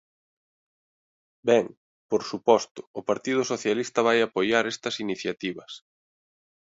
Ben, por suposto, o Partido Socialista vai apoiar estas iniciativas.